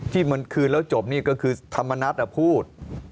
ที่มันคืนแล้วจบนี่ก็คือธรรมนัฐพูด